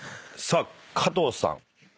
さあ加藤さん。